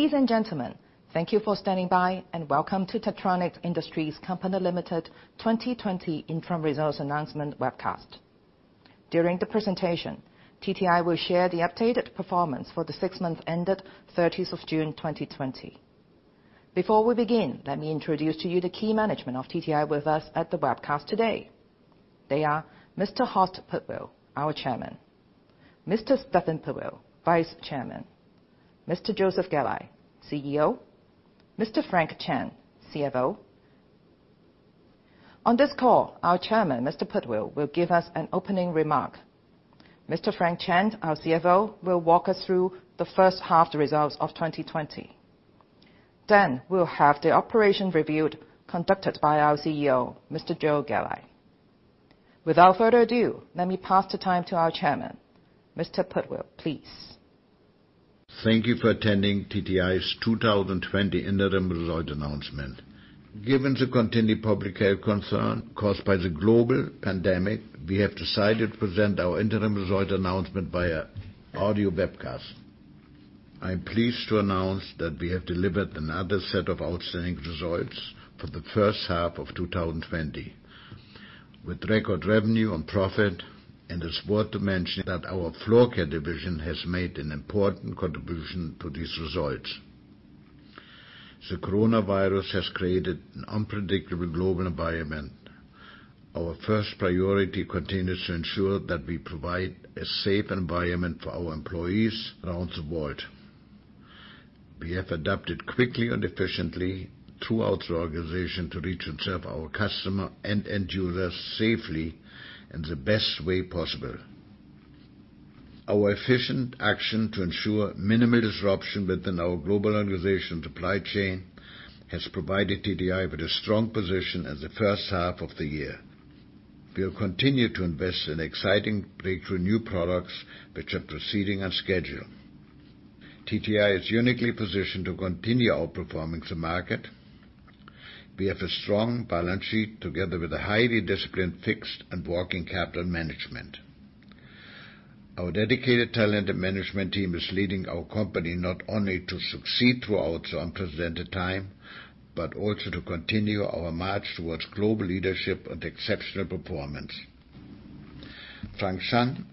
Ladies and gentlemen, thank you for standing by and welcome to Techtronic Industries Company Limited 2020 Interim Results Announcement Webcast. During the presentation, TTI will share the updated performance for the 6 months ended 30th of June 2020. Before we begin, let me introduce to you the key management of TTI with us at the webcast today. They are Mr. Horst Pudwill, our Chairman; Mr. Stephan Pudwill, Vice Chairman; Mr. Joseph Galli, CEO; Mr. Frank Chan, CFO. On this call, our Chairman, Mr. Pudwill, will give us an opening remark. Mr. Frank Chan, our CFO, will walk us through the first half the results of 2020. Then we'll have the operation review conducted by our CEO, Mr. Joe Galli. Without further ado, let me pass the time to our Chairman. Mr. Pudwill, please. Thank you for attending TTI's 2020 interim results announcement. Given the continued public health concern caused by the global pandemic, we have decided to present our interim results announcement via audio webcast. I'm pleased to announce that we have delivered another set of outstanding results for the first half of 2020, with record revenue and profit. It's worth to mention that our floor care division has made an important contribution to these results. The coronavirus has created an unpredictable global environment. Our first priority continues to ensure that we provide a safe environment for our employees around the world. We have adapted quickly and efficiently throughout the organization to reach and serve our customer and end users safely in the best way possible. Our efficient action to ensure minimal disruption within our global organization supply chain has provided TTI with a strong position in the first half of the year. We'll continue to invest in exciting breakthrough new products which are proceeding on schedule. TTI is uniquely positioned to continue outperforming the market. We have a strong balance sheet together with a highly disciplined fixed and working capital management. Our dedicated talented management team is leading our company not only to succeed throughout unprecedented time, but also to continue our march towards global leadership and exceptional performance. Frank Chan,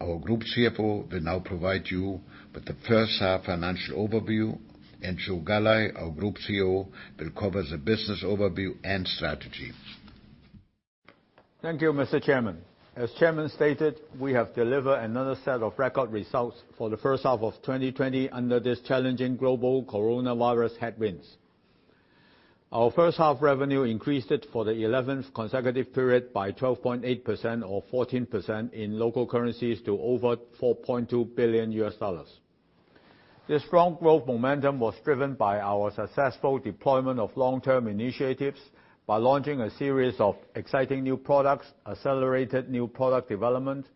our Group CFO, will now provide you with the first half financial overview, and Joe Galli, our Group CEO, will cover the business overview and strategy. Thank you, Mr. Chairman. As Chairman stated, we have delivered another set of record results for the first half of 2020 under this challenging global coronavirus headwinds. Our first half revenue increased it for the 11th consecutive period by 12.8% or 14% in local currencies to over $4.2 billion. This strong growth momentum was driven by our successful deployment of long-term initiatives by launching a series of exciting new products, accelerated new product development,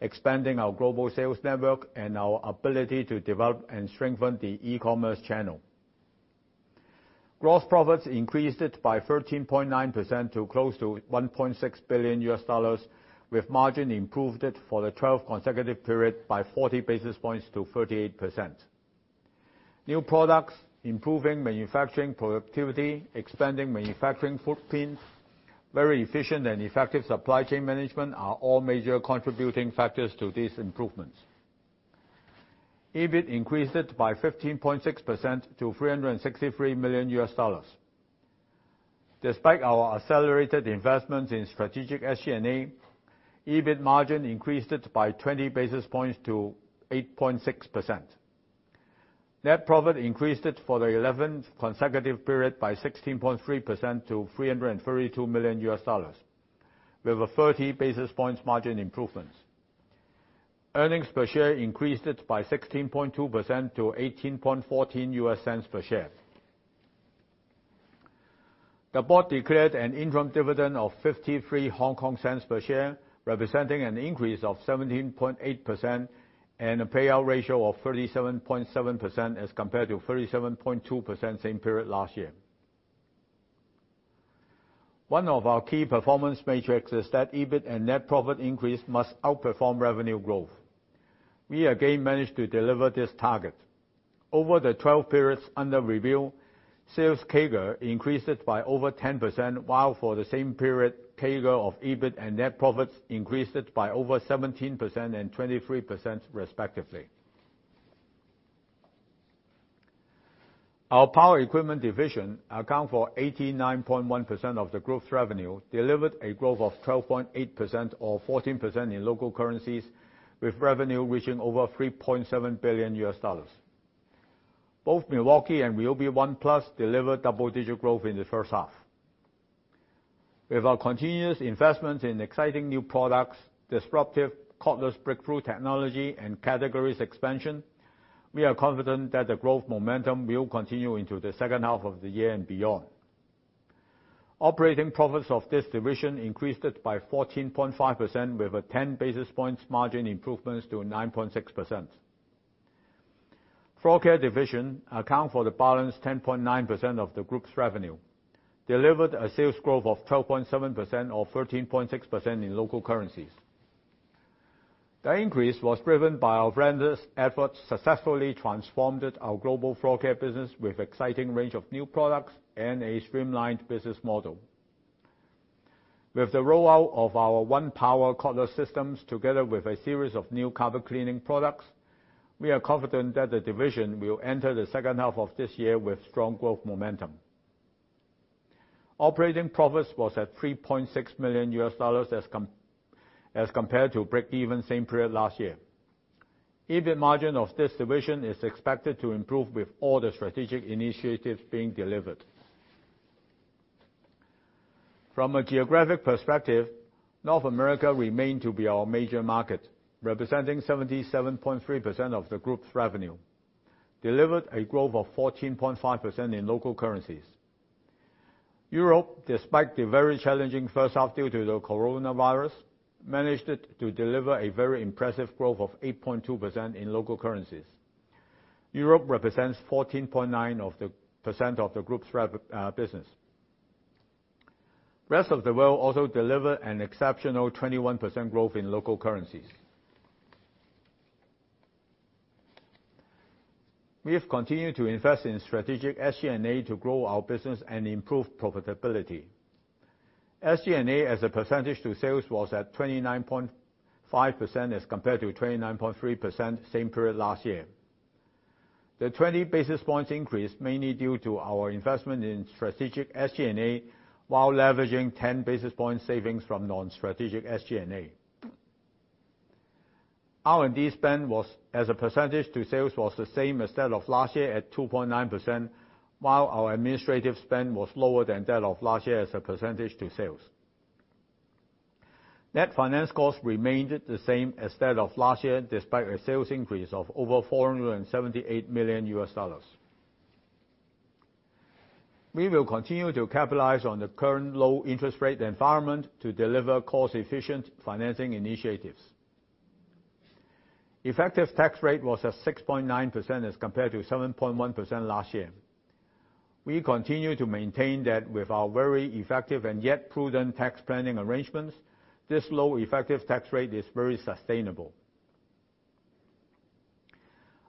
expanding our global sales network, and our ability to develop and strengthen the e-commerce channel. Gross profits increased it by 13.9% to close to $1.6 billion, with margin improved it for the 12th consecutive period by 40 basis points to 38%. New products, improving manufacturing productivity, expanding manufacturing footprint, very efficient and effective supply chain management are all major contributing factors to these improvements. EBIT increased it by 15.6% to $363 million. Despite our accelerated investments in strategic SG&A, EBIT margin increased it by 20 basis points to 8.6%. Net profit increased it for the 11th consecutive period by 16.3% to $332 million, with a 30 basis points margin improvements. Earnings per share increased it by 16.2% to $0.1814 per share. The board declared an interim dividend of 0.53 per share, representing an increase of 17.8% and a payout ratio of 37.7% as compared to 37.2% same period last year. One of our key performance metrics is that EBIT and net profit increase must outperform revenue growth. We again managed to deliver this target. Over the 12 periods under review, sales CAGR increased it by over 10%, while for the same period, CAGR of EBIT and net profits increased it by over 17% and 23% respectively. Our power equipment division account for 89.1% of the group's revenue delivered a growth of 12.8% or 14% in local currencies, with revenue reaching over $3.7 billion. Both Milwaukee and RYOBI ONE+ delivered double-digit growth in the first half. With our continuous investments in exciting new products, disruptive cordless breakthrough technology, and categories expansion, we are confident that the growth momentum will continue into the second half of the year and beyond. Operating profits of this division increased it by 14.5% with a 10 basis points margin improvements to 9.6%. Floor care division account for the balance 10.9% of the group's revenue delivered a sales growth of 12.7% or 13.6% in local currencies. The increase was driven by our brands' efforts successfully transformed our global floor care business with exciting range of new products and a streamlined business model. With the rollout of our ONE+ power cordless systems together with a series of new carpet cleaning products, we are confident that the division will enter the second half of this year with strong growth momentum. Operating profits was at $3.6 million as compared to break even same period last year. EBIT margin of this division is expected to improve with all the strategic initiatives being delivered. From a geographic perspective, North America remained to be our major market, representing 77.3% of the group's revenue, delivered a growth of 14.5% in local currencies. Europe, despite the very challenging first half due to the coronavirus, managed to deliver a very impressive growth of 8.2% in local currencies. Europe represents 14.9 of the % of the group's business. Rest of the world also delivered an exceptional 21% growth in local currencies. We have continued to invest in strategic SG&A to grow our business and improve profitability. SG&A as a percentage to sales was at 29.5% as compared to 29.3% same period last year. The 20 basis points increase mainly due to our investment in strategic SG&A while leveraging 10 basis points savings from non-strategic SG&A. R&D spend was, as a percentage to sales, was the same as that of last year at 2.9%, while our administrative spend was lower than that of last year as a percentage to sales. Net finance costs remained the same as that of last year, despite a sales increase of over $478 million. We will continue to capitalize on the current low-interest rate environment to deliver cost-efficient financing initiatives. Effective tax rate was at 6.9% as compared to 7.1% last year. We continue to maintain that with our very effective and yet prudent tax planning arrangements, this low effective tax rate is very sustainable.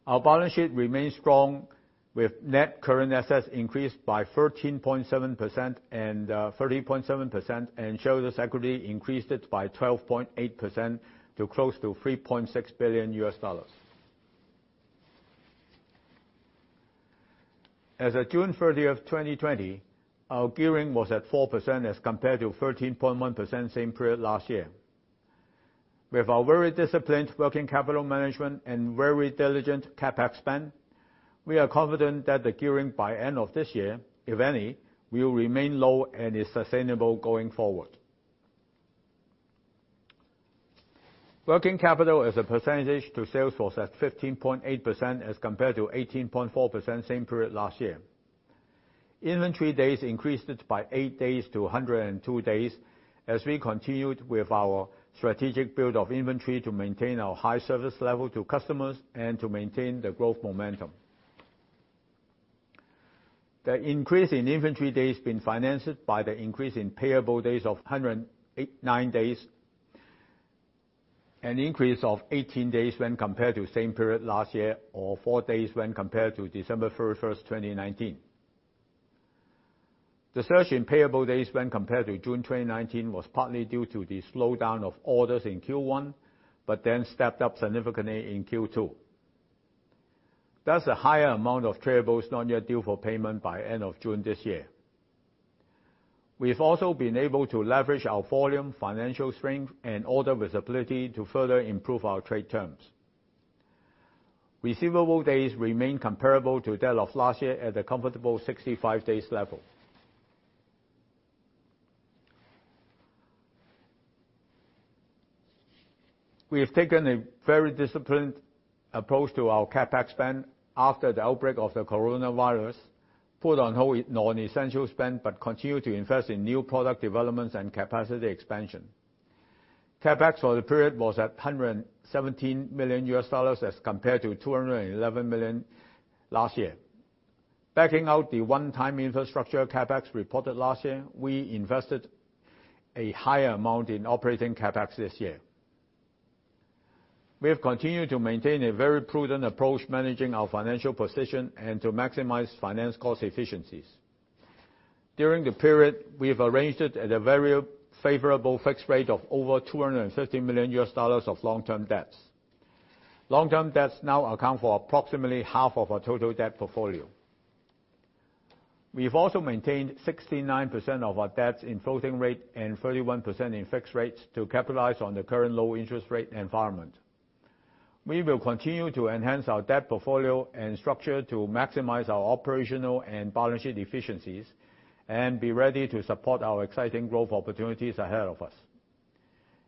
Our balance sheet remains strong with net current assets increased by 13.7% and shareholder's equity increased by 12.8% to close to $3.6 billion. As of June 30, 2020, our gearing was at 4% as compared to 13.1% same period last year. With our very disciplined working capital management and very diligent CapEx spend, we are confident that the gearing by end of this year, if any, will remain low and is sustainable going forward. Working capital as a percentage to sales was at 15.8% as compared to 18.4% same period last year. Inventory days increased by eight days to 102 days as we continued with our strategic build of inventory to maintain our high service level to customers and to maintain the growth momentum. The increase in inventory days been financed by the increase in payable days of 109 days, an increase of 18 days when compared to same period last year or four days when compared to December 31, 2019. The surge in payable days when compared to June 2019 was partly due to the slowdown of orders in Q1 but then stepped up significantly in Q2. That's a higher amount of trade payables not yet due for payment by end of June this year. We've also been able to leverage our volume, financial strength, and order visibility to further improve our trade terms. Receivable days remain comparable to that of last year at a comfortable 65 days level. We have taken a very disciplined approach to our CapEx spend after the outbreak of the coronavirus, put on hold non-essential spend, but continue to invest in new product developments and capacity expansion. CapEx for the period was at $117 million as compared to $211 million last year. Backing out the one-time infrastructure CapEx reported last year, we invested a higher amount in operating CapEx this year. We have continued to maintain a very prudent approach managing our financial position and to maximize finance cost efficiencies. During the period, we have arranged at a very favorable fixed rate of over $250 million of long-term debts. Long-term debts now account for approximately half of our total debt portfolio. We've also maintained 69% of our debts in floating rate and 31% in fixed rates to capitalize on the current low interest rate environment. We will continue to enhance our debt portfolio and structure to maximize our operational and balance sheet efficiencies and be ready to support our exciting growth opportunities ahead of us.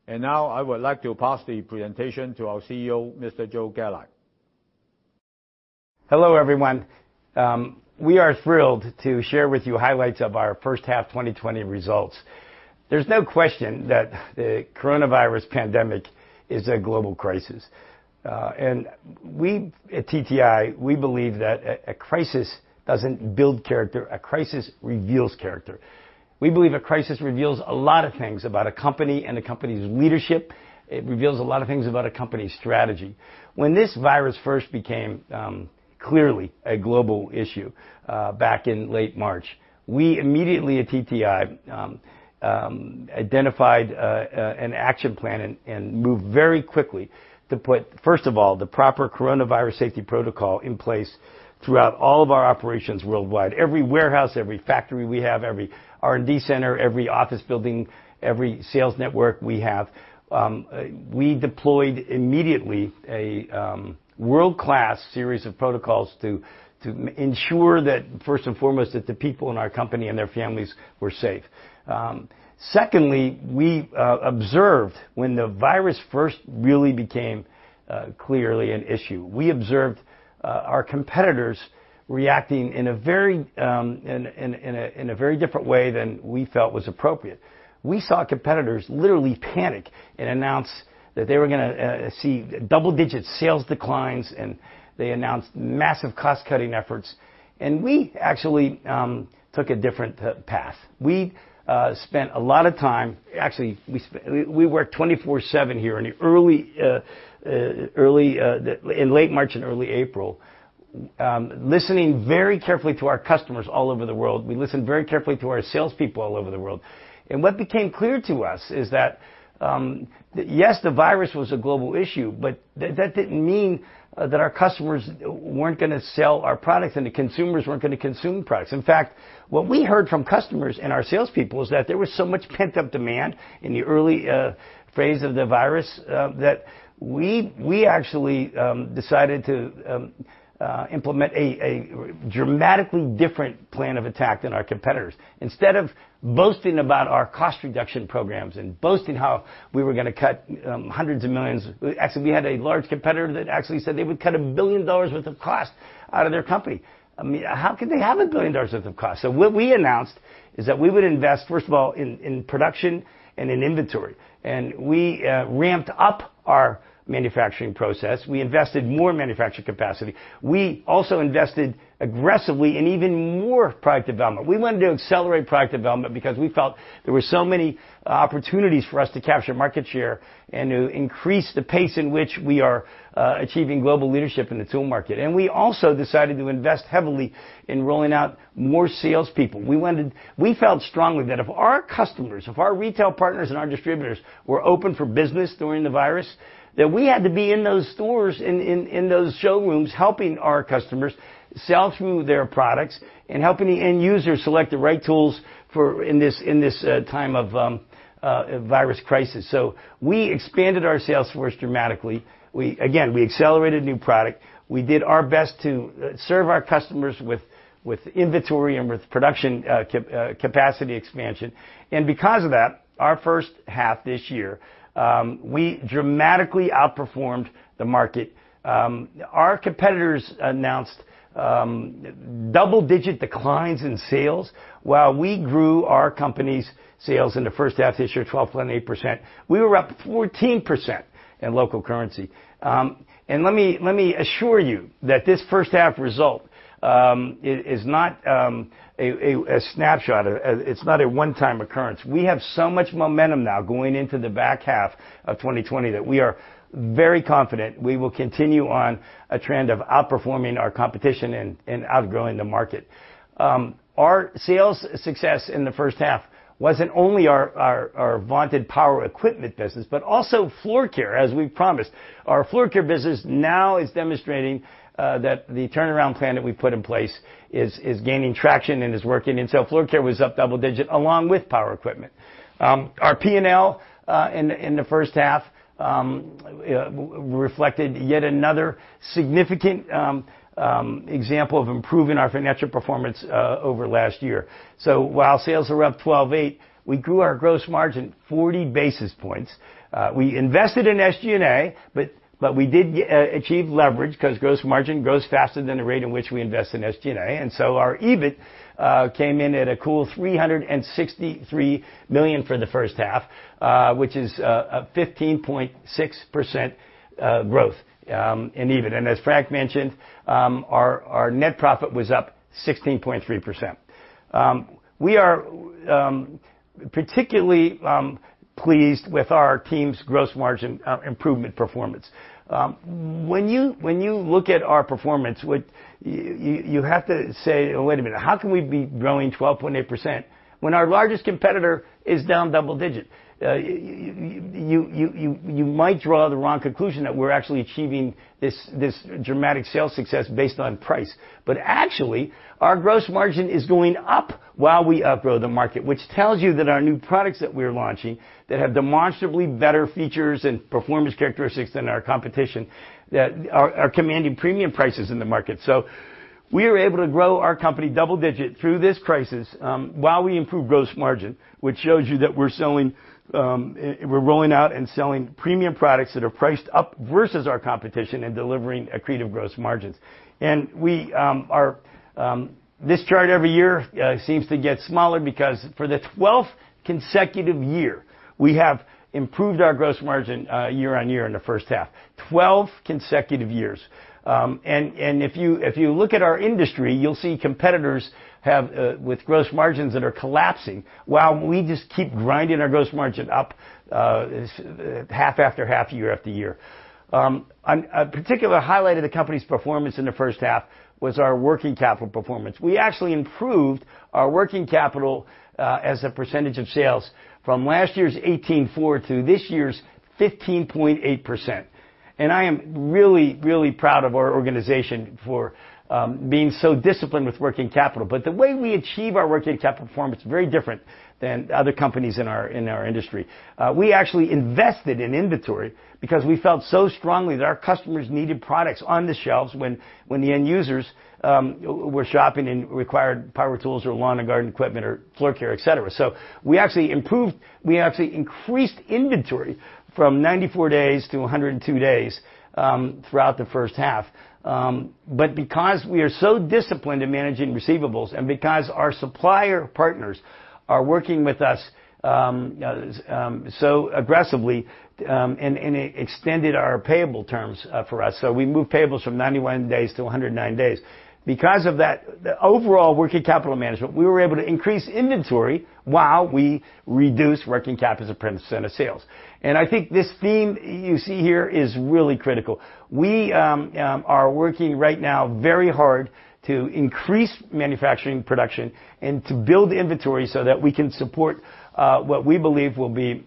Now I would like to pass the presentation to our CEO, Mr. Joseph Galli. Hello, everyone. We are thrilled to share with you highlights of our first half 2020 results. There's no question that the coronavirus pandemic is a global crisis. We, at TTI, we believe that a crisis doesn't build character, a crisis reveals character. We believe a crisis reveals a lot of things about a company and a company's leadership. It reveals a lot of things about a company's strategy. When this virus first became clearly a global issue, back in late March, we immediately at TTI identified an action plan and moved very quickly to put, first of all, the proper coronavirus safety protocol in place throughout all of our operations worldwide. Every warehouse, every factory we have, every R&D center, every office building, every sales network we have, we deployed immediately a world-class series of protocols to ensure that first and foremost, that the people in our company and their families were safe. Secondly, we observed when the virus first really became clearly an issue, we observed our competitors reacting in a very different way than we felt was appropriate. We saw competitors literally panic and announce that they were gonna see double-digit sales declines, they announced massive cost-cutting efforts. We actually took a different path. We worked 24/7 here in late March and early April, listening very carefully to our customers all over the world. We listened very carefully to our salespeople all over the world. What became clear to us is that, yes, the virus was a global issue, but that didn't mean that our customers weren't gonna sell our products and the consumers weren't gonna consume products. In fact, what we heard from customers and our salespeople was that there was so much pent-up demand in the early phase of the virus that we actually decided to implement a dramatically different plan of attack than our competitors. Instead of boasting about our cost reduction programs and boasting how we were gonna cut hundreds of millions. [inaudible] we had a large competitor that actually said they would cut $1 billion worth of cost out of their company. I mean, how could they have $1 billion worth of cost? What we announced is that we would invest, first of all, in production and in inventory. We ramped up our manufacturing process. We invested more manufacturing capacity. We also invested aggressively in even more product development. We wanted to accelerate product development because we felt there were so many opportunities for us to capture market share and to increase the pace in which we are achieving global leadership in the tool market. We also decided to invest heavily in rolling out more salespeople. We felt strongly that if our customers, if our retail partners and our distributors were open for business during the virus, that we had to be in those stores, in those showrooms, helping our customers sell through their products and helping the end user select the right tools for, in this, in this time of a virus crisis. We expanded our sales force dramatically. We again accelerated new product. We did our best to serve our customers with inventory and with production capacity expansion. Because of that, our first half this year, we dramatically outperformed the market. Our competitors announced double-digit declines in sales while we grew our company's sales in the first half this year 12.8%. We were up 14% in local currency. Let me, let me assure you that this first half result is not a snapshot. It's not a one-time occurrence. We have so much momentum now going into the back half of 2020 that we are very confident we will continue on a trend of outperforming our competition and outgrowing the market. Our sales success in the first half wasn't only our vaunted power equipment business, but also floor care, as we promised. Our floor care business now is demonstrating that the turnaround plan that we've put in place is gaining traction and is working. Floor care was up double digit along with power equipment. Our P&L in the first half reflected yet another significant example of improving our financial performance over last year. While sales are up 12.8%, we grew our gross margin 40 basis points. We invested in SG&A, but we did achieve leverage because gross margin grows faster than the rate in which we invest in SG&A. Our EBIT came in at a cool $363 million for the first half, which is a 15.6% growth in EBIT. As Frank mentioned, our net profit was up 16.3%. We are particularly pleased with our team's gross margin improvement performance. When you look at our performance, what you have to say, "Wait a minute, how can we be growing 12.8% when our largest competitor is down double-digit?" You might draw the wrong conclusion that we're actually achieving this dramatic sales success based on price. Actually, our gross margin is going up while we outgrow the market, which tells you that our new products that we're launching that have demonstrably better features and performance characteristics than our competition, that are commanding premium prices in the market. We are able to grow our company double-digit through this crisis, while we improve gross margin, which shows you that we're selling, we're rolling out and selling premium products that are priced up versus our competition and delivering accretive gross margins. We are this chart every year seems to get smaller because for the 12th consecutive year, we have improved our gross margin year-on-year in the first half, 12 consecutive years. If you look at our industry, you'll see competitors have with gross margins that are collapsing while we just keep grinding our gross margin up half after half, year-after-year. A particular highlight of the company's performance in the first half was our working capital performance. We actually improved our working capital as a percentage of sales from last year's 18.4 to this year's 15.8%. I am really proud of our organization for being so disciplined with working capital. The way we achieve our working capital performance is very different than other companies in our industry. We actually invested in inventory because we felt so strongly that our customers needed products on the shelves when the end users were shopping and required power tools or lawn and garden equipment or floor care, et cetera. We actually increased inventory from 94 days to 102 days throughout the first half. Because we are so disciplined in managing receivables and because our supplier partners are working with us so aggressively and extended our payable terms for us. We moved payables from 91 days to 109 days. Because of that, the overall working capital management, we were able to increase inventory while we reduced working capital as a % of sales. I think this theme you see here is really critical. We are working right now very hard to increase manufacturing production and to build inventory so that we can support what we believe will be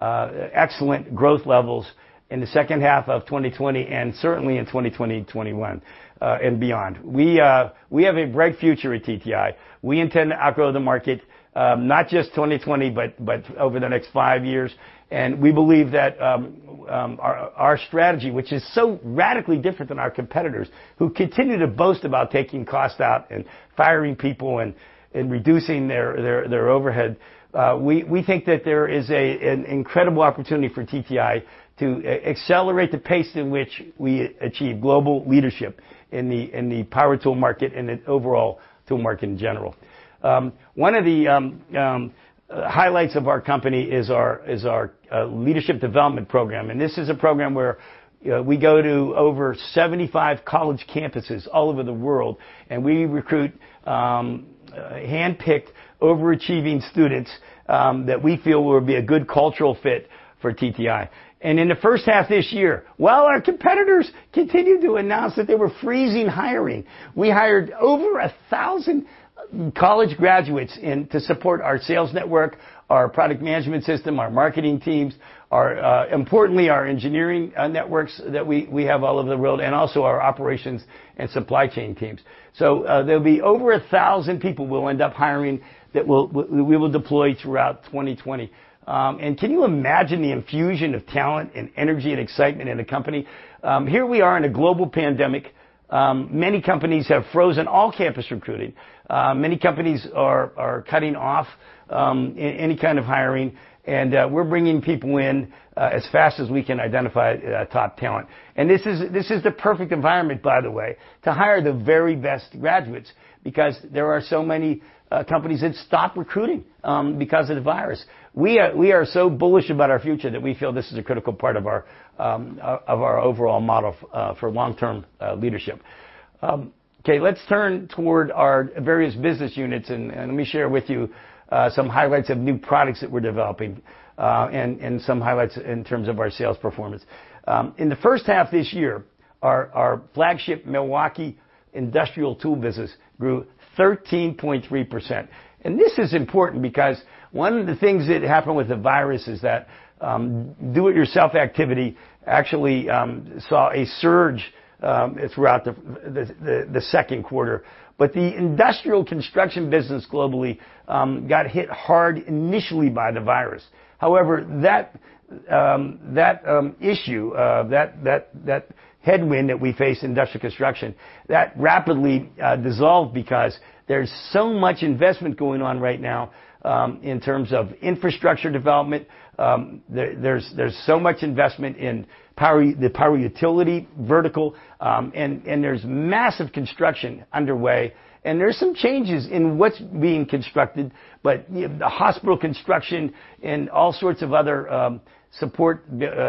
excellent growth levels in the second half of 2020 and certainly in 2020, 2021 and beyond. We have a bright future at TTI. We intend to outgrow the market, not just 2020, but over the next five years. We believe that our strategy, which is so radically different than our competitors who continue to boast about taking cost out and firing people and reducing their overhead. We think that there is an incredible opportunity for TTI to accelerate the pace in which we achieve global leadership in the power tool market and the overall tool market in general. One of the highlights of our company is our leadership development program, and this is a program where we go to over 75 college campuses all over the world and we recruit hand-picked, overachieving students that we feel will be a good cultural fit for TTI. In the first half this year, while our competitors continued to announce that they were freezing hiring, we hired over 1,000 college graduates in to support our sales network, our product management system, our marketing teams, importantly, our engineering networks that we have all over the world, and also our operations and supply chain teams. There will be over 1,000 people we will end up hiring that we will deploy throughout 2020. Can you imagine the infusion of talent and energy and excitement in a company? Here we are in a global pandemic. Many companies have frozen all campus recruiting. Many companies are cutting off any kind of hiring, we are bringing people in as fast as we can identify top talent. This is the perfect environment, by the way, to hire the very best graduates because there are so many companies that stopped recruiting because of the virus. We are so bullish about our future that we feel this is a critical part of our overall model for long-term leadership. Okay, let's turn toward our various business units and let me share with you some highlights of new products that we're developing and some highlights in terms of our sales performance. In the first half of this year, our flagship Milwaukee industrial tool business grew 13.3%. This is important because one of the things that happened with the virus is that DIY activity actually saw a surge throughout the second quarter. The industrial construction business globally got hit hard initially by the virus. However, that issue, that headwind that we face in industrial construction, that rapidly dissolved because there's so much investment going on right now in terms of infrastructure development. There's so much investment in the power utility vertical. There's massive construction underway, and there's some changes in what's being constructed. The hospital construction and all sorts of other support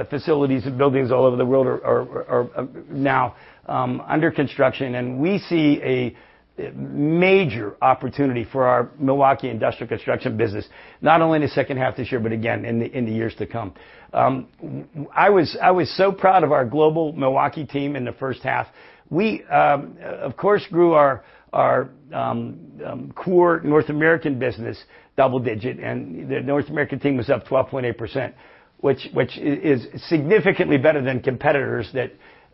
facilities and buildings all over the world are now under construction. We see a major opportunity for our Milwaukee industrial construction business, not only in the second half of this year but again in the years to come. I was so proud of our global Milwaukee team in the first half. We, of course, grew our core North American business double digit, and the North American team was up 12.8%, which is significantly better than competitors that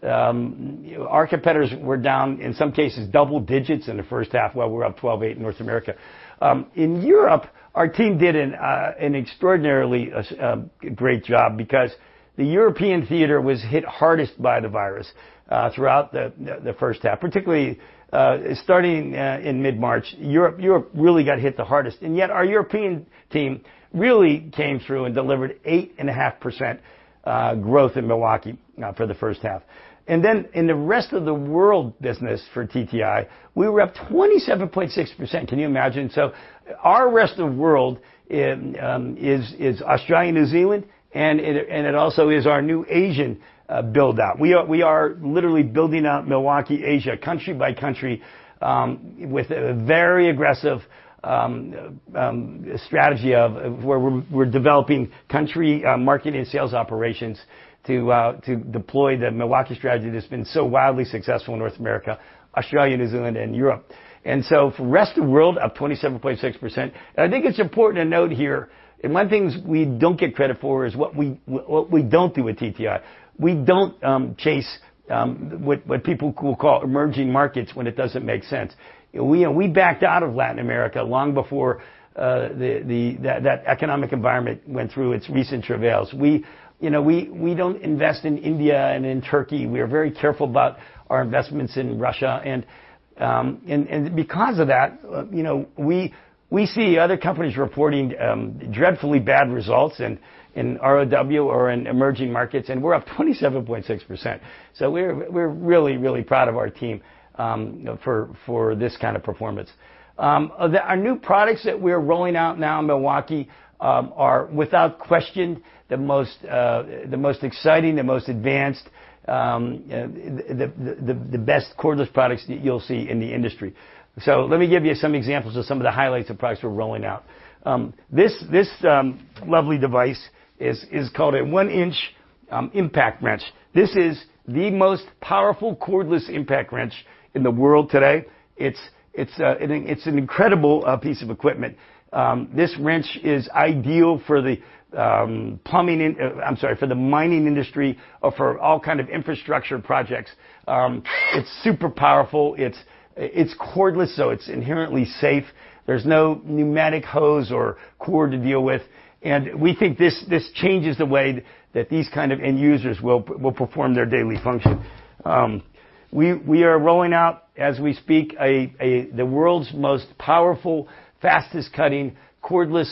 our competitors were down, in some cases, double digits in the first half while we're up 12.8% in North America. In Europe, our team did an extraordinarily great job because the European theater was hit hardest by the virus throughout the first half. Particularly, starting in mid-March, Europe really got hit the hardest, our European team really came through and delivered 8.5% growth in Milwaukee for the first half. In the rest of the world business for TTI, we were up 27.6%. Can you imagine? Our rest of world is Australia, New Zealand, and it also is our new Asian build-out. We are literally building out Milwaukee Asia country by country with a very aggressive strategy of where we're developing country marketing and sales operations to deploy the Milwaukee strategy that's been so wildly successful in North America, Australia, New Zealand, and Europe. For rest of world, up 27.6%. I think it's important to note here, and one of the things we don't get credit for is what we, what we don't do at TTI. We don't chase what people will call emerging markets when it doesn't make sense. We backed out of Latin America long before that economic environment went through its recent travails. We don't invest in India and in Turkey. We are very careful about our investments in Russia. Because of that we see other companies reporting dreadfully bad results in ROW or in emerging markets, and we're up 27.6%. We're really proud of our team for this kind of performance. Our new products that we're rolling out now in Milwaukee are without question the most exciting, the most advanced, the best cordless products that you'll see in the industry. Let me give you some examples of some of the highlights of products we're rolling out. This lovely device is called a 1-inch impact wrench. This is the most powerful cordless impact wrench in the world today. It's an incredible piece of equipment. This wrench is ideal for the mining industry or for all kind of infrastructure projects. It's super powerful. It's cordless, so it's inherently safe. There's no pneumatic hose or cord to deal with. We think this changes the way that these kind of end users will perform their daily function. We are rolling out, as we speak, a the world's most powerful, fastest cutting cordless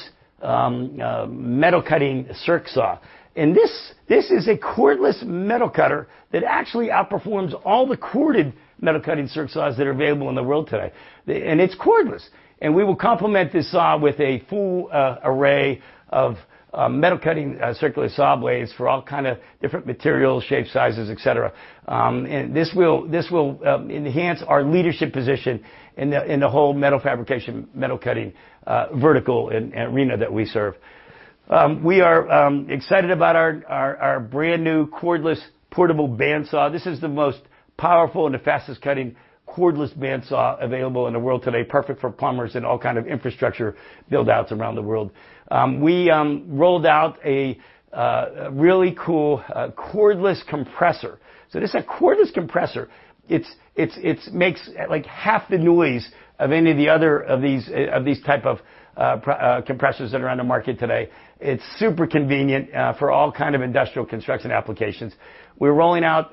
metal-cutting circ saw. This is a cordless metal cutter that actually outperforms all the corded metal-cutting circ saws that are available in the world today. It's cordless. We will complement this saw with a full array of metal-cutting circular saw blades for all kind of different materials, shapes, sizes, et cetera. This will enhance our leadership position in the whole metal fabrication, metal cutting vertical and arena that we serve. We are excited about our brand-new cordless portable band saw. This is the most powerful and the fastest cutting cordless band saw available in the world today, perfect for plumbers and all kind of infrastructure build-outs around the world. We rolled out a really cool cordless compressor. This is a cordless compressor. It's makes, like, half the noise of any of the other, of these type of compressors that are on the market today. It's super convenient for all kind of industrial construction applications. We're rolling out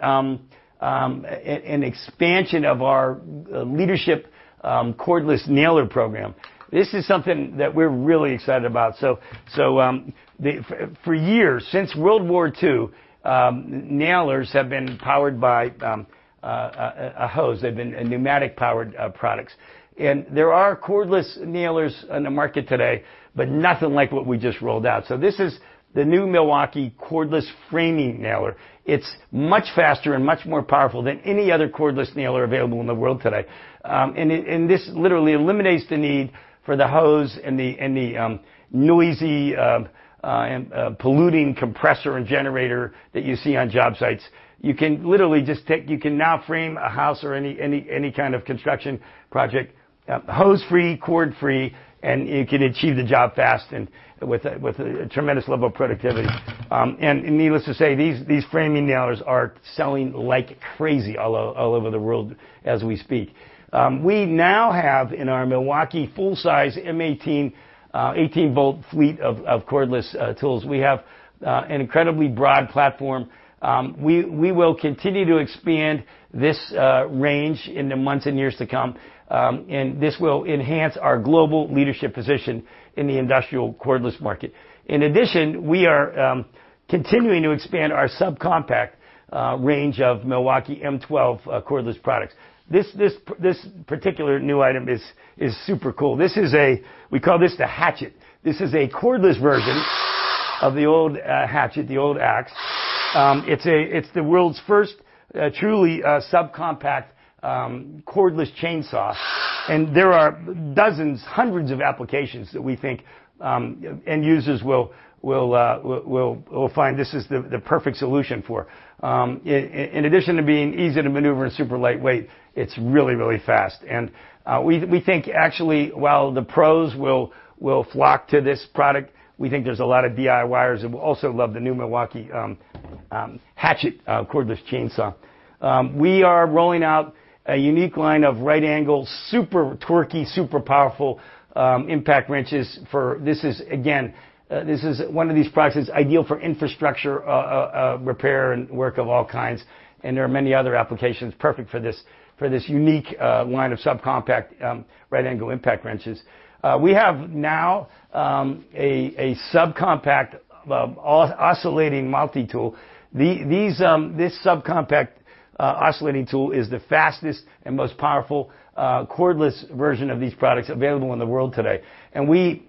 an expansion of our leadership cordless nailer program. This is something that we're really excited about. For years, since World War II, nailers have been powered by a hose. They've been pneumatic-powered products. There are cordless nailers on the market today, but nothing like what we just rolled out. This is the new Milwaukee cordless framing nailer. It's much faster and much more powerful than any other cordless nailer available in the world today. This literally eliminates the need for the hose and the noisy and polluting compressor and generator that you see on job sites. You can now frame a house or any kind of construction project, hose-free, cord-free, and you can achieve the job fast and with a tremendous level of productivity. Needless to say, these framing nailers are selling like crazy all over the world as we speak. We now have in our Milwaukee full-size M18, 18-volt fleet of cordless tools. We have an incredibly broad platform. We will continue to expand this range in the months and years to come. This will enhance our global leadership position in the industrial cordless market. In addition, we are continuing to expand our subcompact range of Milwaukee M12 cordless products. This particular new item is super cool. We call this the Hatchet. This is a cordless version of the old Hatchet, the old ax. It's the world's first truly subcompact cordless chainsaw. There are dozens, hundreds of applications that we think end users will find this is the perfect solution for. In addition to being easy to maneuver and super lightweight, it's really, really fast. Actually while the pros will flock to this product, we think there's a lot of DIYers that will also love the new Milwaukee Hatchet cordless chainsaw. We are rolling out a unique line of right angle, super torquey, super powerful impact wrenches. This is, again, this is one of these products that's ideal for infrastructure repair and work of all kinds, and there are many other applications perfect for this, for this unique line of subcompact right angle impact wrenches. We have now a subcompact oscillating multi-tool. This subcompact oscillating tool is the fastest and most powerful cordless version of these products available in the world today. We,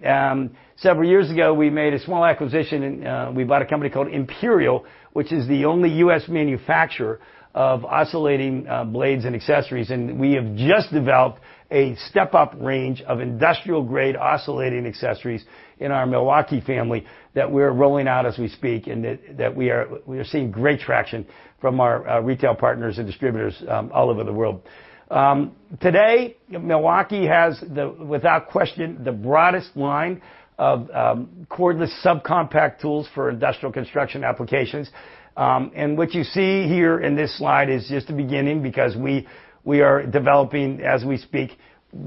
several years ago, we made a small acquisition and we bought a company called Imperial, which is the only U.S. manufacturer of oscillating blades and accessories. We have just developed a step-up range of industrial-grade oscillating accessories in our Milwaukee family that we're rolling out as we speak, and that we are seeing great traction from our retail partners and distributors all over the world. Today, Milwaukee has the, without question, the broadest line of cordless subcompact tools for industrial construction applications. What you see here in this slide is just the beginning because we are developing, as we speak,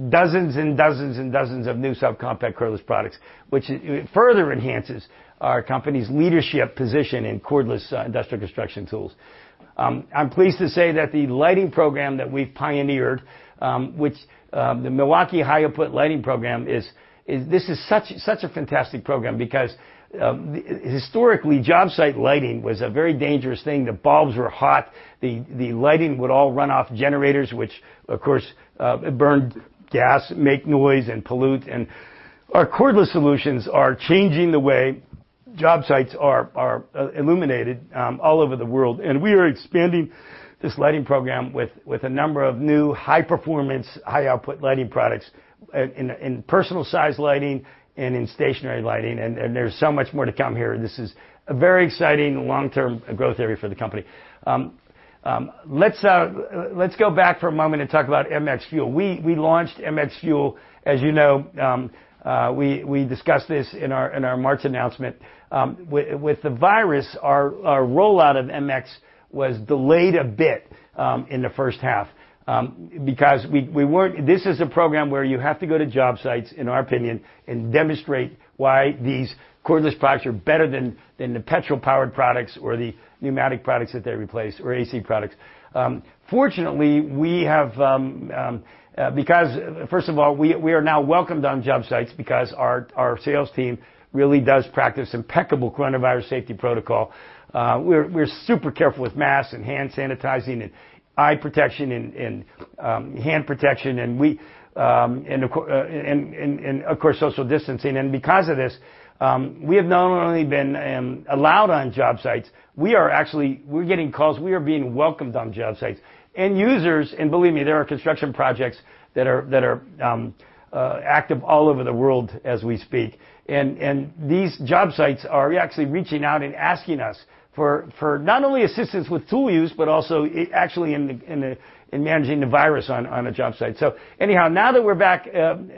dozens and dozens and dozens of new subcompact cordless products, which it further enhances our company's leadership position in cordless industrial construction tools. I'm pleased to say that the lighting program that we've pioneered, which the Milwaukee high output lighting program is this is such a fantastic program because historically, job site lighting was a very dangerous thing. The bulbs were hot. The lighting would all run off generators, which of course, burned gas, make noise, and pollute. Our cordless solutions are changing the way job sites are illuminated all over the world, we are expanding this lighting program with a number of new high performance, high output lighting products in personal size lighting and in stationary lighting, there's so much more to come here. This is a very exciting long-term growth area for the company. Let's go back for a moment and talk about MX FUEL. We launched MX FUEL, as you know. We discussed this in our March announcement. With the virus, our rollout of MX was delayed a bit in the first half because this is a program where you have to go to job sites, in our opinion, and demonstrate why these cordless products are better than the petrol-powered products or the pneumatic products that they replace or AC products. Fortunately, because first of all, we are now welcomed on job sites because our sales team really does practice impeccable coronavirus safety protocol. We're super careful with masks and hand sanitizing and eye protection and hand protection, and of course, social distancing. Because of this, we have not only been allowed on job sites, we're getting calls. We are being welcomed on job sites. End users, believe me, there are construction projects that are active all over the world as we speak. These job sites are actually reaching out and asking us for not only assistance with tool use but also actually in managing the virus on a job site. Anyhow, now that we're back and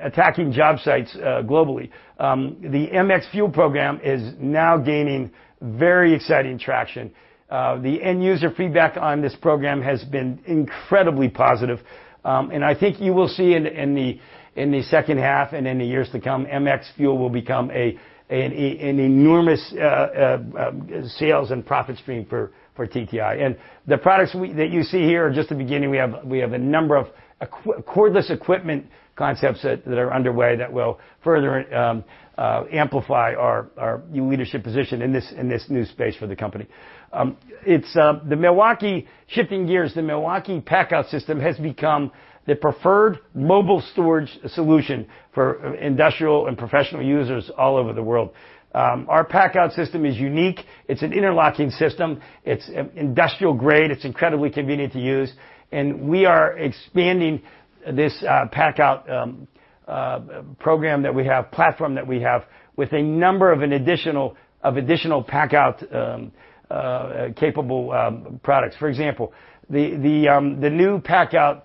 attacking job sites globally, the MX FUEL program is now gaining very exciting traction. The end user feedback on this program has been incredibly positive. I think you will see in the, in the second half and in the years to come, MX FUEL will become an enormous sales and profit stream for TTI. The products that you see here are just the beginning. We have a number of cordless equipment concepts that are underway that will further amplify our new leadership position in this new space for the company. It's the Milwaukee Shifting gears, the Milwaukee PACKOUT system has become the preferred mobile storage solution for industrial and professional users all over the world. Our PACKOUT system is unique. It's an interlocking system. It's industrial grade. It's incredibly convenient to use. We are expanding this PACKOUT platform that we have with a number of additional PACKOUT capable products. For example, the new PACKOUT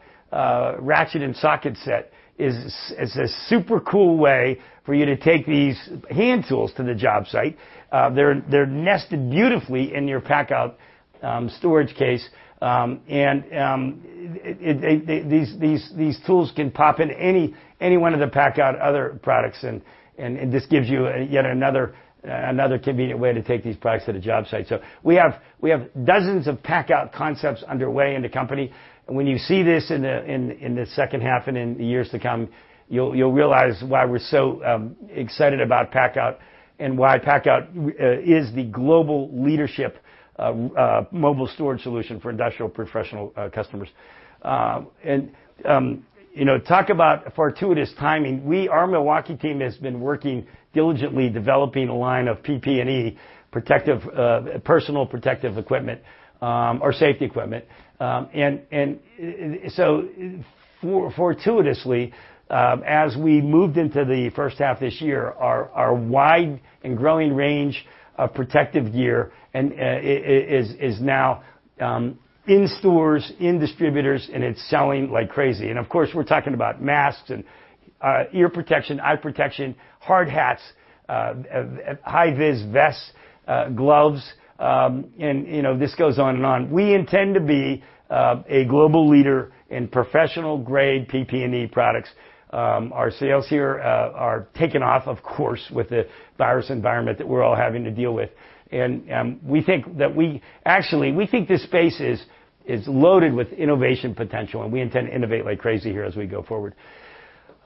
ratchet and socket set is a super cool way for you to take these hand tools to the job site. They're nested beautifully in your PACKOUT storage case. These tools can pop into any one of the PACKOUT other products and this gives you yet another convenient way to take these products to the job site. We have dozens of PACKOUT concepts underway in the company, and when you see this in the second half and in the years to come, you'll realize why we're so excited about PACKOUT and why PACKOUT is the global leadership mobile storage solution for industrial professional customers. Talk about fortuitous timing. Our Milwaukee team has been working diligently developing a line of PPE protective personal protective equipment or safety equipment. Fortuitously, as we moved into the first half of this year, our wide and growing range of protective gear and is now in stores, in distributors, and it's selling like crazy. Of course, we're talking about masks and ear protection, eye protection, hard hats, high vis vests, gloves, and this goes on and on. We intend to be a global leader in professional grade PPE products. Our sales here are taking off, of course, with the virus environment that we're all having to deal with. Actually, we think this space is loaded with innovation potential, and we intend to innovate like crazy here as we go forward.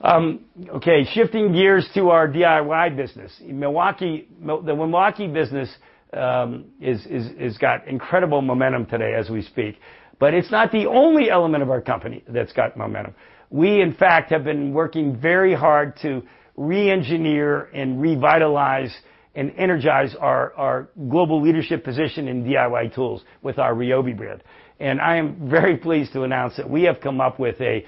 Okay, shifting gears to our DIY business. Milwaukee, the Milwaukee business is got incredible momentum today as we speak, but it's not the only element of our company that's got momentum. We, in fact, have been working very hard to re-engineer and revitalize and energize our global leadership position in DIY tools with our RYOBI brand. I am very pleased to announce that we have come up with a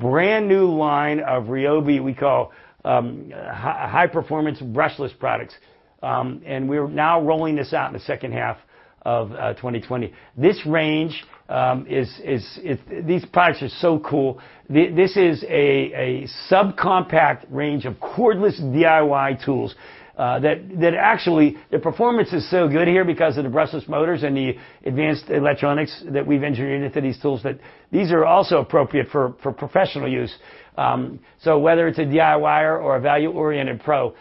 brand-new line of RYOBI we call high performance brushless products. We're now rolling this out in the second half of 2020. This range, these products are so cool. This is a subcompact range of cordless DIY tools that actually the performance is so good here because of the brushless motors and the advanced electronics that we've engineered into these tools that these are also appropriate for professional use. Whether it's a DIYer or a value-oriented pro,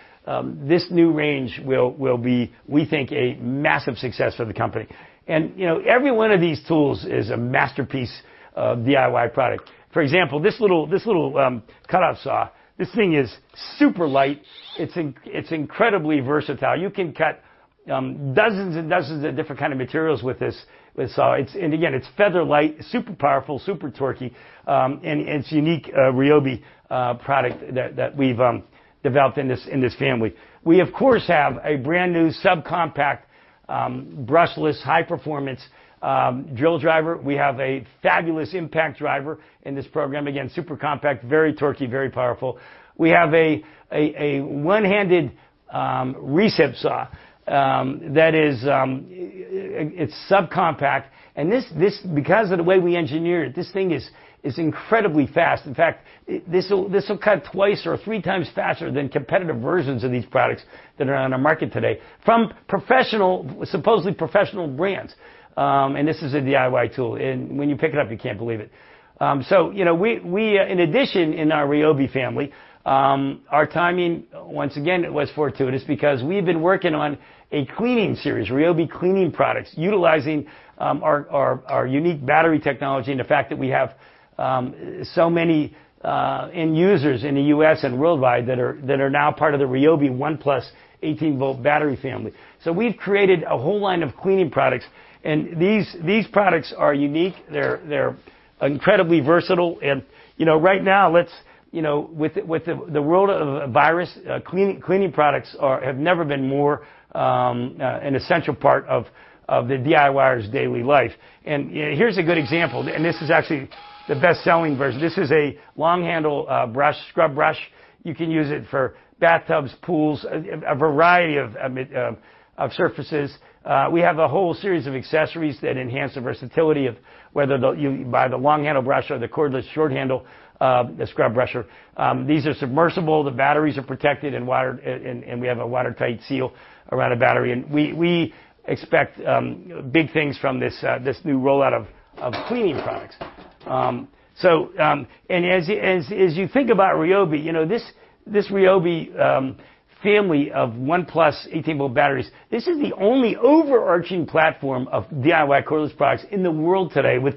this new range will be, we think, a massive success for the company. Every one of these tools is a masterpiece of DIY product. For example, this little cutout saw, this thing is super light. It's incredibly versatile. You can cut dozens and dozens of different kind of materials with this saw. Again, it's featherlight, super powerful, super torquey, and it's unique RYOBI product that we've developed in this family. We, of course, have a brand-new subcompact brushless high performance drill driver. We have a fabulous impact driver in this program. Again, super compact, very torquey, very powerful. We have a one-handed recip saw that is subcompact. This because of the way we engineered it, this thing is incredibly fast. In fact, this'll cut twice or 3x faster than competitive versions of these products that are on our market today from supposedly professional brands. This is a DIY tool. When you pick it up, you can't believe it. We in addition in our RYOBI family, our timing, once again, it was fortuitous because we've been working on a cleaning series, RYOBI cleaning products, utilizing our unique battery technology and the fact that we have so many end users in the U.S. and worldwide that are now part of the RYOBI ONE+ 18-volt battery family. We've created a whole line of cleaning products, and these products are unique. They're incredibly versatile. Right now, with the world of virus, cleaning products have never been more an essential part of the DIYer's daily life. Here's a good example, and this is actually the best-selling version. This is a long handle brush, scrub brush. You can use it for bathtubs, pools, a variety of surfaces. We have a whole series of accessories that enhance the versatility of whether you buy the long handle brush or the cordless short handle the scrub brusher. These are submersible. The batteries are protected and wired, and we have a watertight seal around the battery. We expect big things from this new rollout of cleaning products. As you think about RYOBI, this RYOBI family of ONE+ 18-volt batteries, this is the only overarching platform of DIY cordless products in the world today with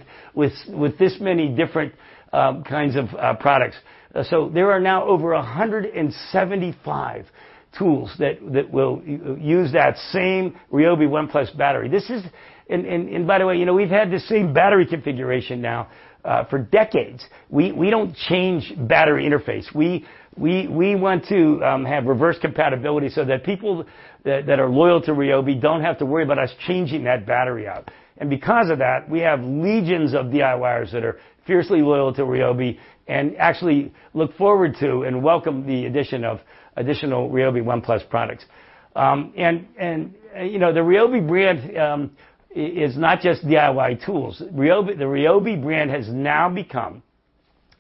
this many different kinds of products. There are now over 175 tools that will use that same RYOBI ONE+ battery. This is. And by the way we've had the same battery configuration now for decades. We don't change battery interface. We want to have reverse compatibility so that people that are loyal to RYOBI don't have to worry about us changing that battery out. Because of that, we have legions of DIYers that are fiercely loyal to RYOBI and actually look forward to and welcome the addition of additional RYOBI ONE+ products. The RYOBI brand is not just DIY tools. The RYOBI brand has now become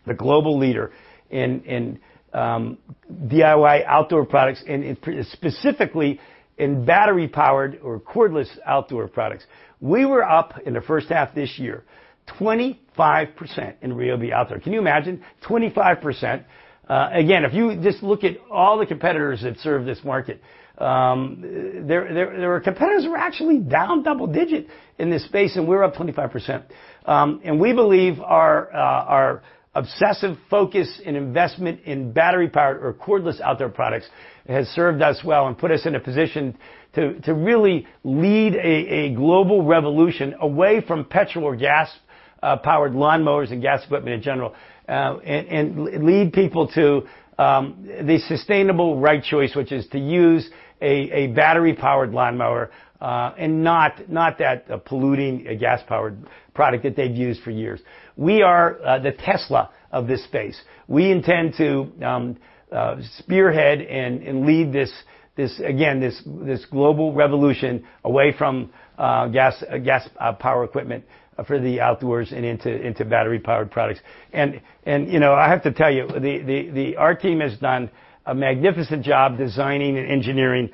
the global leader in DIY outdoor products and specifically in battery-powered or cordless outdoor products. We were up in the first half this year 25% in RYOBI outdoor. Can you imagine? 25%. Again, if you just look at all the competitors that serve this market, there are competitors who are actually down double-digit in this space, and we're up 25%. We believe our obsessive focus and investment in battery-powered or cordless outdoor products has served us well and put us in a position to really lead a global revolution away from petrol or gas-powered lawn mowers and gas equipment in general. Lead people to the sustainable right choice, which is to use a battery-powered lawn mower and not that polluting gas-powered product that they've used for years. We are the Tesla of this space. We intend to spearhead and lead this global revolution away from gas power equipment for the outdoors and into battery-powered products. I have to tell you, our team has done a magnificent job designing and engineering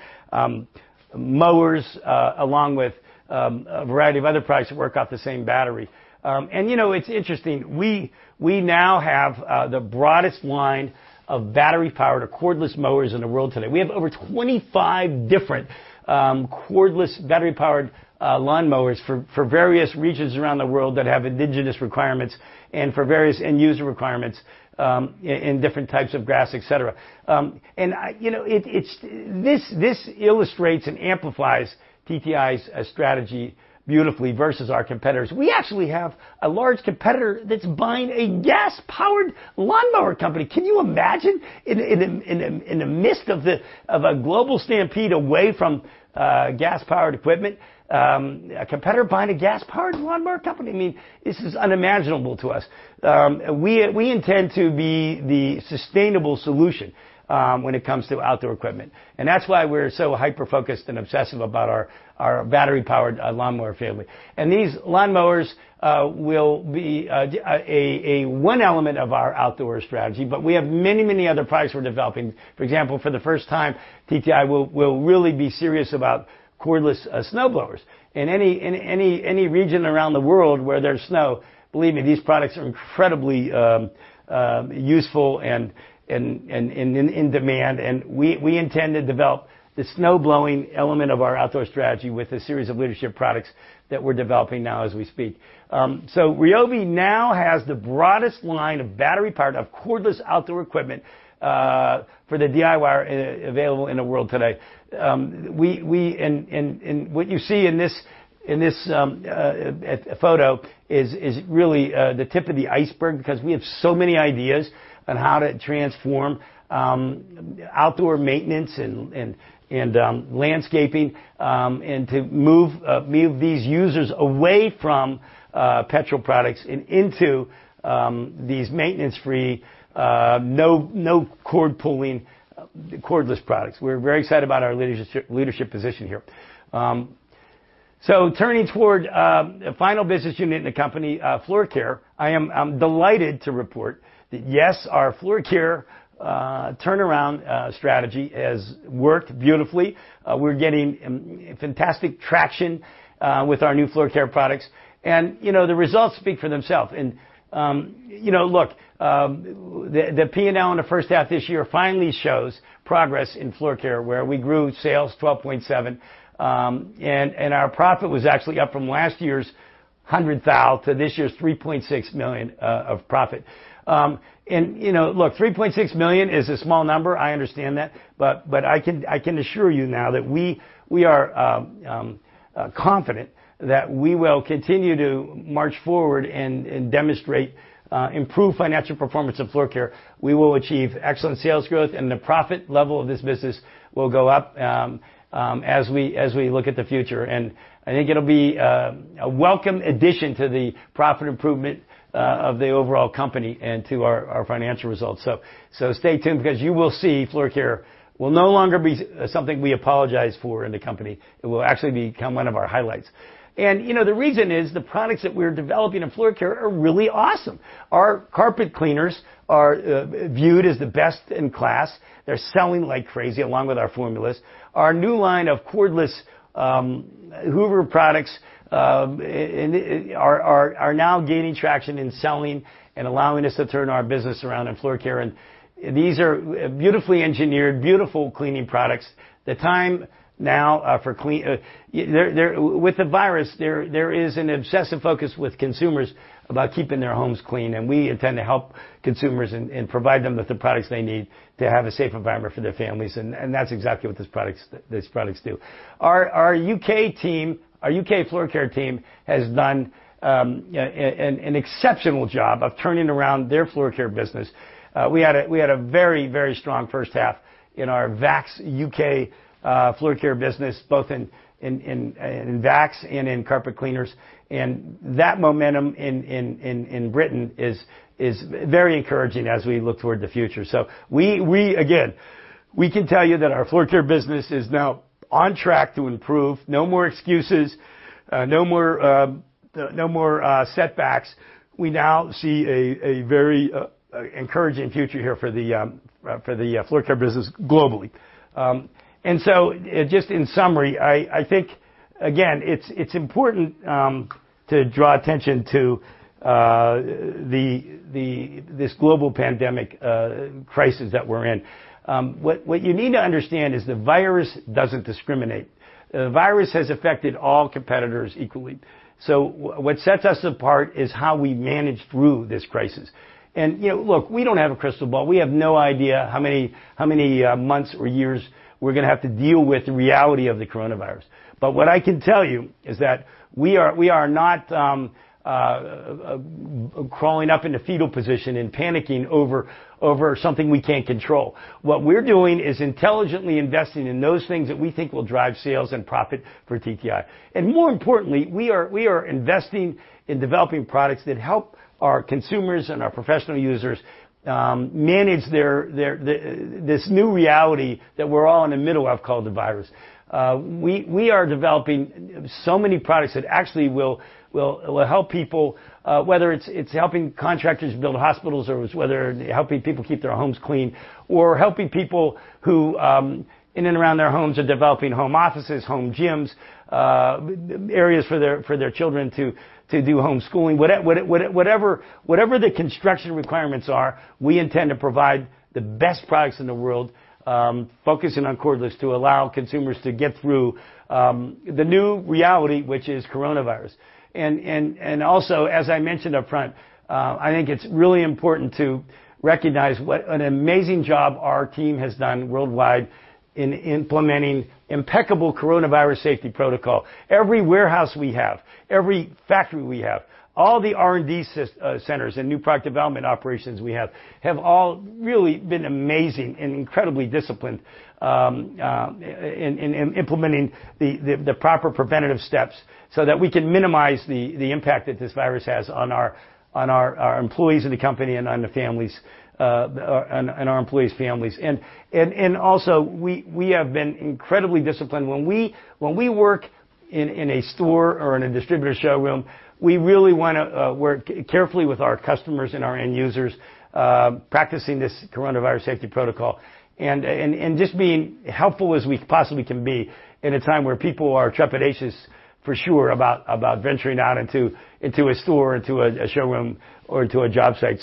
mowers along with a variety of other products that work off the same battery. It's interesting. We now have the broadest line of battery-powered or cordless mowers in the world today. We have over 25 different cordless battery-powered lawn mowers for various regions around the world that have indigenous requirements and for various end user requirements in different types of grass, et cetera. I, this illustrates and amplifies TTI's strategy beautifully versus our competitors. We actually have a large competitor that's buying a gas-powered lawnmower company. Can you imagine? In the midst of the global stampede away from gas-powered equipment, a competitor buying a gas-powered lawnmower company. I mean, this is unimaginable to us. We intend to be the sustainable solution when it comes to outdoor equipment, and that's why we're so hyper-focused and obsessive about our battery-powered lawnmower family. These lawnmowers will be a one element of our outdoor strategy, but we have many other products we're developing. For example, for the first time, TTI will really be serious about cordless snow blowers. In any region around the world where there's snow, believe me, these products are incredibly useful and in demand. We intend to develop the snowblowing element of our outdoor strategy with a series of leadership products that we're developing now as we speak. RYOBI now has the broadest line of battery-powered, cordless outdoor equipment for the DIYer available in the world today. We, and what you see in this photo is really the tip of the iceberg because we have so many ideas on how to transform outdoor maintenance and landscaping and to move these users away from petrol products and into these maintenance-free, no cord pulling cordless products. We're very excited about our leadership position here. Turning toward a final business unit in the company, floor care. I'm delighted to report that, yes, our floor care turnaround strategy has worked beautifully. We're getting fantastic traction with our new floor care products. The results speak for themselves. Look, the P&L in the first half this year finally shows progress in floor care, where we grew sales 12.7%, and our profit was actually up from last year's $100,000 to this year's $3.6 million of profit. Look, $3.6 million is a small number. I understand that, but I can assure you now that we are confident that we will continue to march forward and demonstrate improved financial performance of floor care. We will achieve excellent sales growth, and the profit level of this business will go up as we look at the future. I think it'll be a welcome addition to the profit improvement of the overall company and to our financial results. Stay tuned because you will see floor care will no longer be something we apologize for in the company. It will actually become one of our highlights. The reason is the products that we're developing in floor care are really awesome. Our carpet cleaners are viewed as the best in class. They're selling like crazy, along with our formulas. Our new line of cordless Hoover products are now gaining traction and selling and allowing us to turn our business around in floor care, and these are beautifully engineered, beautiful cleaning products. The time now for clean. There with the virus, there is an obsessive focus with consumers about keeping their homes clean, and we intend to help consumers and provide them with the products they need to have a safe environment for their families and that's exactly what these products do. Our U.K. team, our U.K. floor care team has done an exceptional job of turning around their floor care business. We had a very strong first half in our VAX U.K. floor care business, both in VAX and in carpet cleaners. That momentum in Britain is very encouraging as we look toward the future. We again, we can tell you that our floor care business is now on track to improve. No more excuses, no more, no more setbacks. We now see a very encouraging future here for the for the floor care business globally. Just in summary, I think, again, it's important to draw attention to this global pandemic crisis that we're in. What you need to understand is the virus doesn't discriminate. The virus has affected all competitors equally. What sets us apart is how we manage through this crisis. Look, we don't have a crystal ball. We have no idea how many months or years we're gonna have to deal with the reality of the coronavirus. What I can tell you is that we are not crawling up into fetal position and panicking over something we can't control. What we're doing is intelligently investing in those things that we think will drive sales and profit for TTI. More importantly, we are investing in developing products that help our consumers and our professional users manage their this new reality that we're all in the middle of called the virus. We are developing so many products that actually will help people, whether it's helping contractors build hospitals or whether helping people keep their homes clean or helping people who in and around their homes are developing home offices, home gyms, areas for their children to do homeschooling. Whatever the construction requirements are, we intend to provide the best products in the world, focusing on cordless to allow consumers to get through the new reality, which is coronavirus. Also, as I mentioned upfront, I think it's really important to recognize what an amazing job our team has done worldwide in implementing impeccable coronavirus safety protocol. Every warehouse we have, every factory we have, all the R&D centers and new product development operations we have all really been amazing and incredibly disciplined, in implementing the proper preventative steps so that we can minimize the impact that this virus has on our employees in the company and on the families, on our employees' families. Also, we have been incredibly disciplined. When we work in a store or in a distributor showroom, we really wanna work carefully with our customers and our end users, practicing this coronavirus safety protocol and just being helpful as we possibly can be in a time where people are trepidatious, for sure, about venturing out into a store, into a showroom or into a job site.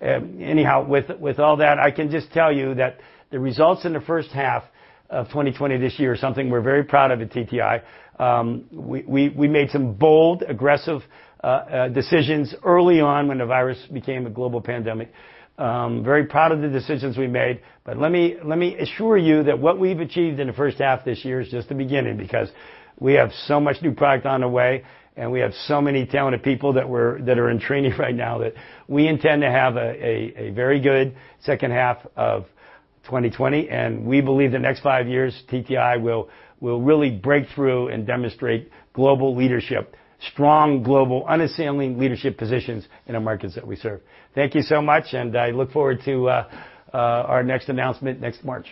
Anyhow, with all that, I can just tell you that the results in the first half of 2020 this year is something we're very proud of at TTI. We made some bold, aggressive decisions early on when the virus became a global pandemic. Very proud of the decisions we made. Let me assure you that what we’ve achieved in the first half of this year is just the beginning because we have so much new product on the way, and we have so many talented people that are in training right now that we intend to have a very good second half of 2020. We believe the next five years, TTI will really break through and demonstrate global leadership, strong global, unassailing leadership positions in the markets that we serve. Thank you so much, and I look forward to our next announcement next March.